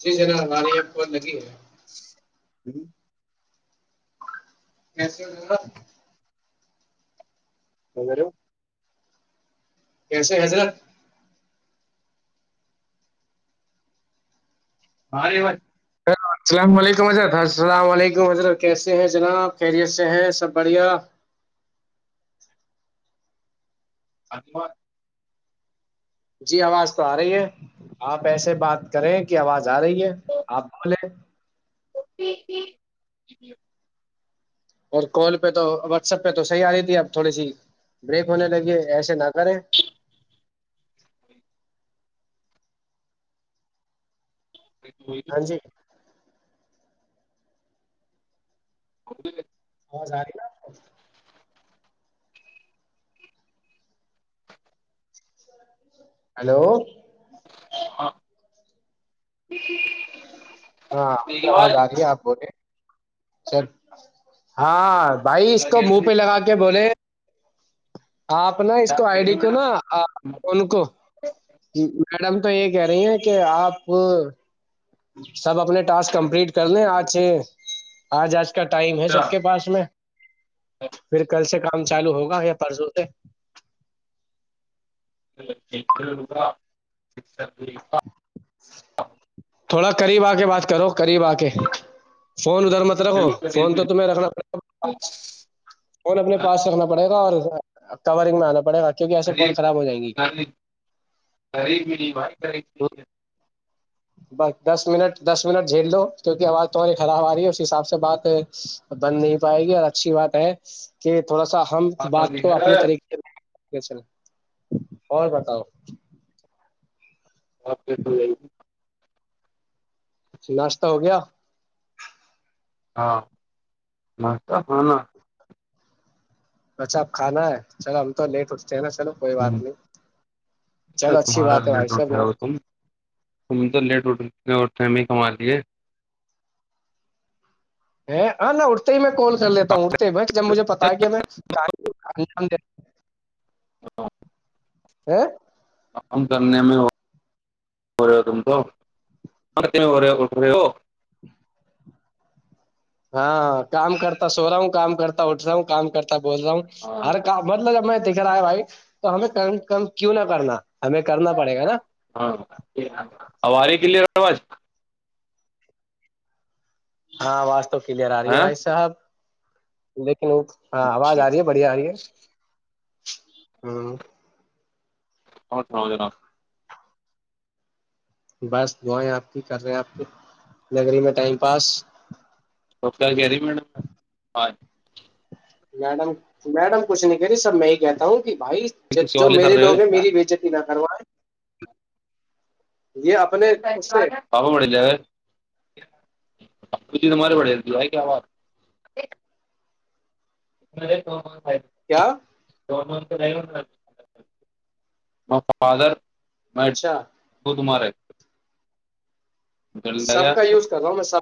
جی ذرا ہماریے یہ بت لگی ہے ہوں کیسے ہو جا اھر کیسے حضرت ہاںارے بات السلام علیکم حضرت السلام علیکم حضرت کیسے ہیں جناب خیریت سے ہیں سب بڑھیا اتب جی آواز تو آ رہی ہے آپ ایسے بات کریں کہ آواز جا رہی ہے آپ بولے ہی ج اور کال پہ تو واٹسپ پہ تو صحیح آ رہی تھی اب تھوڑی سی بریک ہونے لگیے ایسے نہ کریں جی ہاں جی [inaudible] بت ز رہی ن ہیلو [inaudible] ہاں آپ کی آواز آ رہی ہے آپ بولے چل ہاں بھائی اس کو منہ پہ لگا کے بولے [inaudible] آپ نا اس کو آئی ڈی کو نا ان کو میڈم تو یہ کہہ رہی ہیں کہ آپ سب اپنے ٹاسک کمپلیٹ کر لیں آج سے آج آج کا ٹائم ہے سب کے پاس میں پھر کل سے کام چالو ہوگا یا پرسوں سے [inaudible] [unintelligible] [inaudible] تھوڑا قریب آ کے بات کرو قریب آ کے فون ادھر مت رکھو فون تو تمہیں رکھنا پڑے گا پا فون اپنے پاس رکھنا پڑے گا اور کورنگ میں آنا پڑے گ رر بھی وائے کر بس دس منٹ دس منٹ جھیل لو کیونکہ آواز تھڑی خراب آ رہی ہے اس حساب سے بات بند نہیں پائے گی اور اچھی بات ہے کہ تھوڑا سا ہم بات کو اپنے طریقے سےکھ اور بتاؤ آپ کی س ج گی ناشتہ ہو گیا ہاں مت ہانا اچھا اپ کھانا ہے چلو ہم تو لیٹ ہو ہ چلو اچھی تمہارا بات ہے بھائی لیٹ اٹ صاحب رہا نا ہو تم تم تو لیٹ اٹ فہمی کما لیے ا آ ن ارت م کال کر لیتا ہوں اٹتے بس جب مجھے پتا ہے کیا میں کہاں [inaudible] [inaudible] ام کنیا میں ہو رہ ہو تم کو ہو رہے اٹھ رہے ہو ہاں کام کرتا سو رہا ہوں کام کرتا اٹا ہوں کام کرتا بول رہا ہوں ہاں ہر کا مطلبب میں دکھ رہا ہے بھائی تو ہمیں کم کم کیوں نہ کرنا ہمیں کرنا پڑے گا نا ہاں ہمارے کے لیے آواز ہاں واس تو کلیئر آ رہی ہے ہاں بھائی صاحب ل لو ہاں آواز اچھا آ رہی ہے بڑھیا آ رہی ہے ہاں اورہ سناؤ جناب بس گیں آپ کی کر رہے ہیں آپ کی نگری میں ٹائم پاس تو گری مڈاں میڈم میڈم کچھ نہیں کری سب میں ہی کہتا ہوں بھائی کسی جو والے کر میرے رہے لو ہو ہیں میری بےجتی نہ کرو پپا بڑے ج آی تومارے پڑیتی آ کیااز مر آ کیا دون م فادر میں اچھا وہ تمہارے دل سب لگا کا یوز کر رہا ہوں میں سب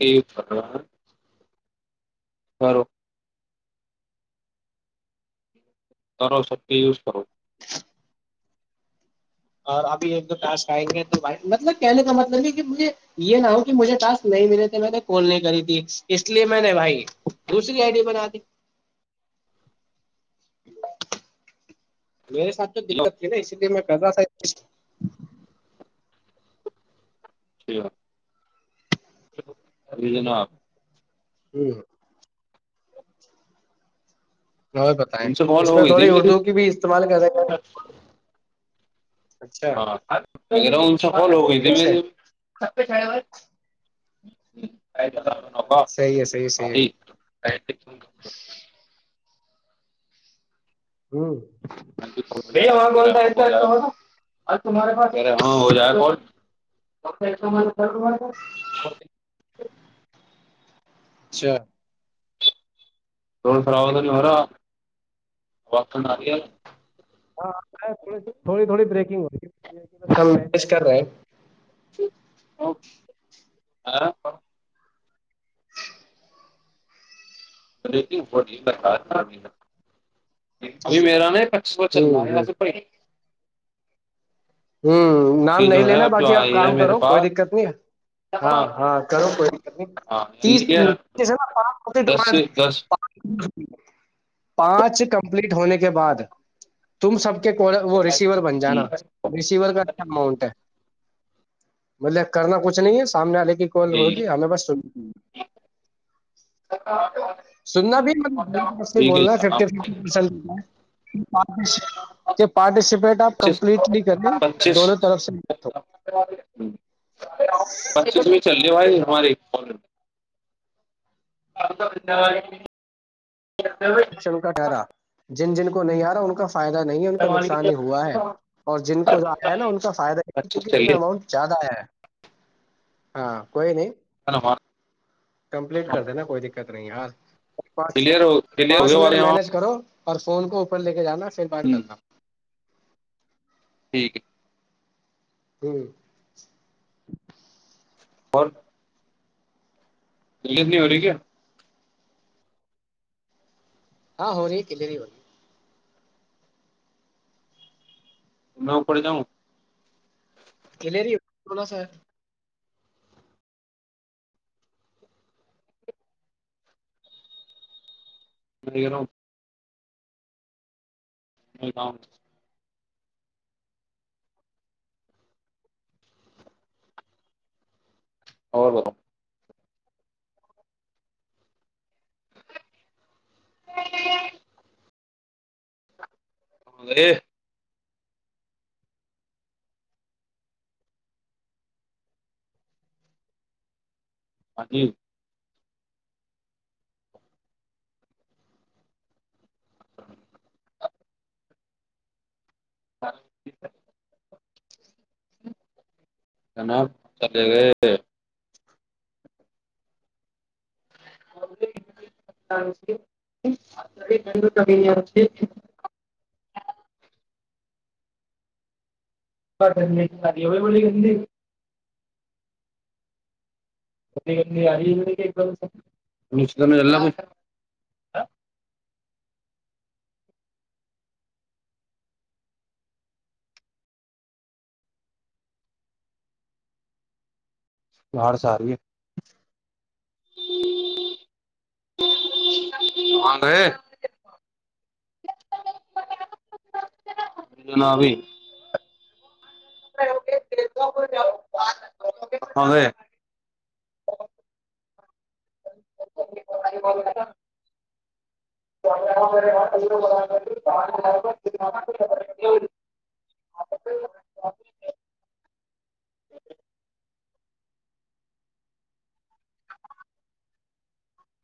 یہ ف برو تارا شکتی یوز کرو اور ابھی ایک دو ٹسک آئیں گے توھائی مطلب کہنے کا مطلب یہ کہ مجھے یہ نہ ہو کہ مجھے ٹاسک نہیں ملے تھے میں نے کال نہیں کری تھی اس لیے میں نے بھائی دوسری آئی ڈی بنا دی میرے سھ تو دقت تھی نا اس لیے میں کزا س جنا آ جی وہ بھی بتائیں ان سے کال اس ہو میں گئی تھی تھوڑی میری اردو کی بھی استعمال کیسے کریں ہاںا سفال ہو گئی تھی ٹھیک میں ہے ےررا صحیح ہے صحیح ہے صحیح ہے ھخزتس ہوں ارے اچھا ر خراب تو نہیں ہو رہا آ رہ ہاں آ تھوڑی تھوڑی بریکنگ ہو رہی ہے کر رہے ہیں آ لیکن وہٹ کا خارام ہے ابھی میرا نا کچ کو چل رہا ہوں ہے ہ ویسے ہوں نام یہ نہیں جو ہے لینا اب جو باقی آپ آئی ہے کام میرے کرو کوئی پاس دقت نہیں ہے ہاں ہاں کرو کوئی ہاں یعنی کہ تیس ہے نا دس سے دس پانچ پانچ کمپلیٹ ہونے کے بعد تم سب کے وہ ریسیور بن جانا ٹھیک ہے ریسیور کاچا امؤنٹ ہے مطلب کرنا کچھ نہیں ہے سامنے وال لیکن ال ہوگی ہمیں بس سننا بھی ب ف جناب ف پار ج پارٹیسپیٹ آپ پچیس کمپلیٹ کریں پچیس دونوں طرف سے بات ہو چلے بھائی ہمارے ف آپ کا دھن واد شن کا ٹھہرا جن جن کو نہیں آ رہا ان کا فائدہ نہیں ہے ان کا نقصان ہی ہوا ہے اور جن کو آیا ہے نا ان کا فائدہ اچھا کیکہ اتنا چلیے اماؤنٹ زیادہ آیا ہے ہاں کوئی نہیں ک ن ہاں کمپلیٹ کر دینا کوئی دقت نہیں یار پانچ کلیئر کلیر ہو پانچ ہو منٹ رہے مینج کرو اور فون کو اوپر لے کے جانا سر بر کرنا ٹھیک ہے ہوں اور یہت نہیں ہو رہی کیا [unintelligible] ہاں ہو رہی کلری ہو رہی ن پڑ جاؤں [unintelligible] کلری منا سا نہیں گ رہوں [unintelligible] نہیں گؤ [unintelligible] اور بتا [unintelligible] ہ [unintelligible] ہاں ج ہے [unintelligible] جنا چلے گئے [unintelligible] [unintelligible] ساری ای بولی گی [unintelligible] ا [unintelligible] لڑ س رہ ہےے [unintelligible] نا بھی [unintelligible] ہاں [unintelligible] ب [unintelligible] [unintelligible]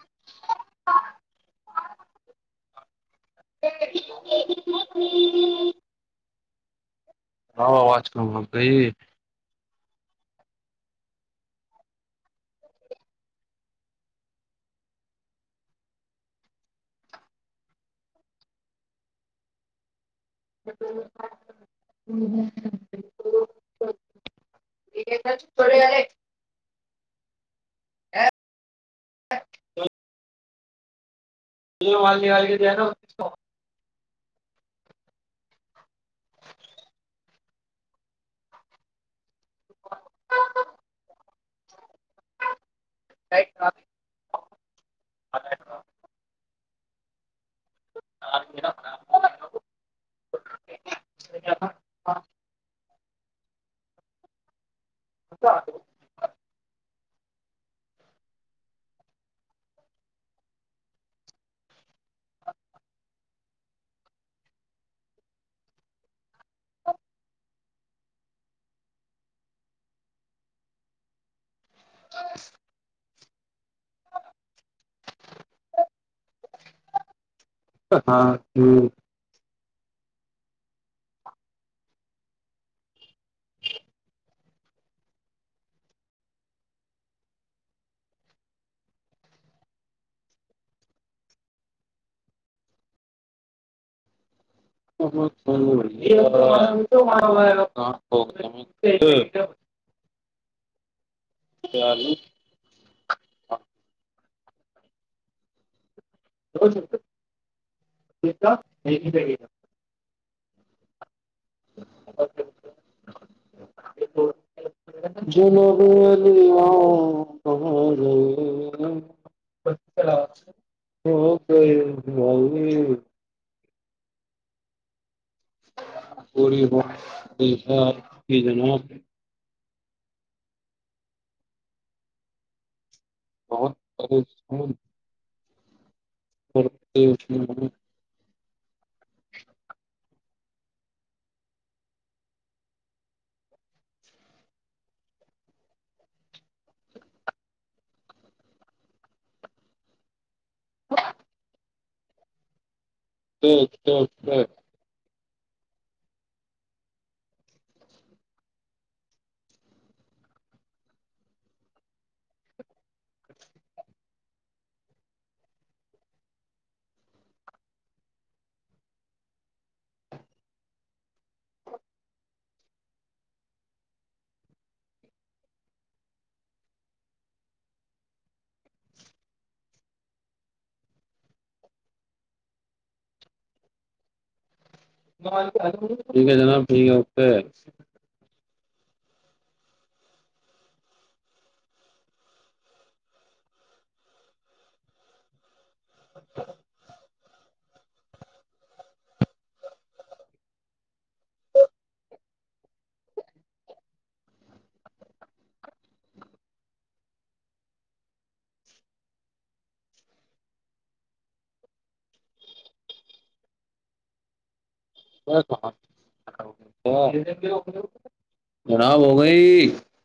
[unintelligible] آ آواز ک بپ بی [unintelligible] تھوڑےئے [unintelligible] ا [unintelligible] یہ مال نکال کے دینا ہو کو [unintelligible] [unintelligible] [unintelligible] اچھا [unintelligible] ا [unintelligible] ہاں ہ [unintelligible] [unintelligible] ت آالی [unintelligible] [unintelligible] جن ب گ ہو گ [unintelligible] پوری وقت الفات کی جناب [unintelligible] بہت پ [unintelligible] اورش [unintelligible] ہ [unintelligible] تو تو تو [unintelligible] ٹھیک ہے جناب ٹھیک ہے اوکے ا [unintelligible] خراب ہو گئی [unintelligible]